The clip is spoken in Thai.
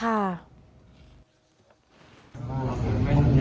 เอาอันได้โทรธั่งว่าทำของพี่แอชุ